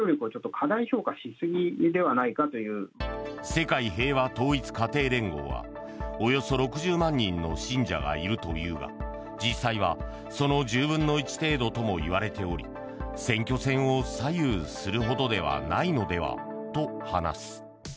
世界平和統一家庭連合はおよそ６０万人の信者がいるというが実際はその１０分の１程度ともいわれており選挙戦を左右するほどではないのではと話す。